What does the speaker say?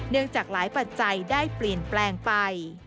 จากหลายปัจจัยได้เปลี่ยนแปลงไป